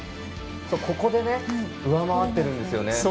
ここで上回っているんです。